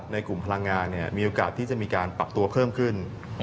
ในกลุ่มพลังงานมีโอกาสที่จะมีการปรับตัวเพิ่มขึ้น